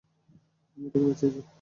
আমি এটাকে বাচিঁয়েছি।